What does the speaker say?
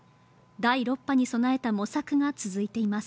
第６波に備えた模索が続いています。